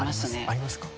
ありますか？